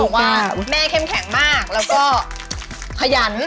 ต้องบอกว่าแม่เข้มแข็งมากแล้วก็ขยัน